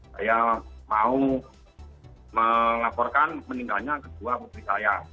saya mau melaporkan meninggalnya kedua putri saya